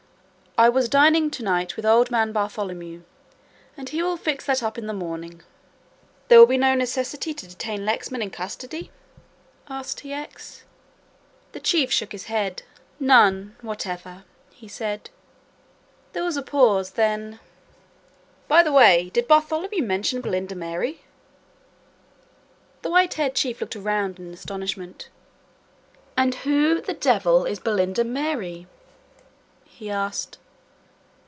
"I was dining to night with old man Bartholomew and he will fix that up in the morning." "There will be no necessity to detain Lexman in custody?" asked T. X. The Chief shook his head. "None whatever," he said. There was a pause, then, "By the way, did Bartholomew mention Belinda Mary!" The white haired chief looked round in astonishment. "And who the devil is Belinda Mary?" he asked.